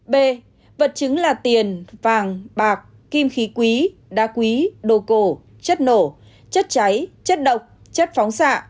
b vật chứng là tiền vàng bạc kim khí quý đá quý đồ cổ chất nổ chất cháy chất độc chất phóng xạ